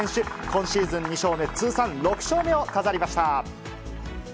今シーズン２勝目、通算６勝目を飾りました。